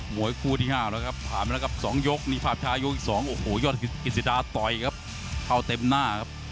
วยคู่ที่๕แล้วครับผ่านมาแล้วครับ๒ยกนี่ภาพช้ายกอีก๒โอ้โหยอดกิจสิดาต่อยครับเข้าเต็มหน้าครับ